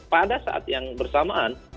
pada saat yang bersamaan